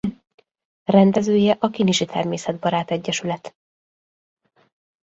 Rendezője a Kinizsi Természetbarát Egyesület.